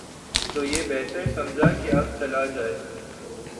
تو یہی بہتر سمجھا کہ اب چلا جائے۔